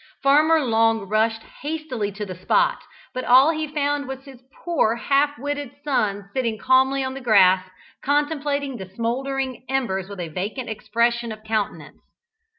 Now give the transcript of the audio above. Farmer Long rushed hastily to the spot, but all he found was his poor half witted son sitting calmly on the grass contemplating the smouldering embers with a vacant expression of countenance.